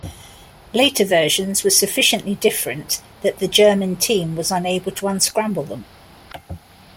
Later versions were sufficiently different that the German team was unable to unscramble them.